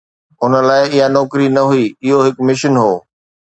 هن لاءِ اها نوڪري نه هئي، اهو هڪ مشن هو.